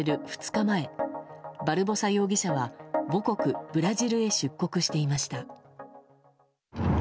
２日前バルボサ容疑者は母国ブラジルへ出国していました。